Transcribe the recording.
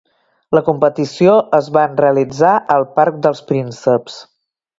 La competició es van realitzar al Parc dels Prínceps.